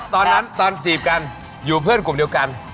ตอนนั้นตอนจีบกันอยู่เพื่อนกลุ่มเดียวกัน